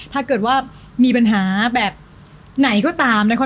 ถ้าเกิดว่ามีปัญหาแบบไหนก็ตามนะคะ